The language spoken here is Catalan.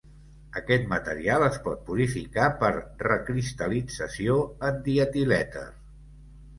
Aquest material es pot purificar per recristal·lització en dietilèter.